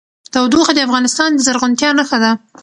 تودوخه د افغانستان د زرغونتیا نښه ده.